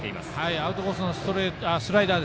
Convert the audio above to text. アウトコースのスライダー。